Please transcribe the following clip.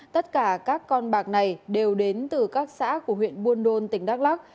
tất cả các con bạc này đều đến từ các xã của huyện buôn đôn tỉnh đắk lắc